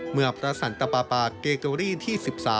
เมื่อพระสันตปาปาเกอรี่ที่๑๓